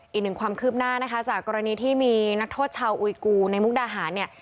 อีกหนึ่งความคืบหน้านะคะจากกรณีที่มีนักโทษชาวอุยกูในมุกดาหารเนี่ย